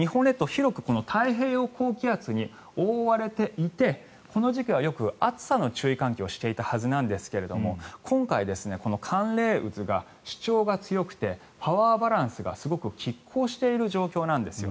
広く太平洋高気圧に覆われていてこの時期はよく暑さの注意喚起をしていたはずなんですが今回、寒冷渦が主張が強くてパワーバランスがすごくきっ抗している状況なんです。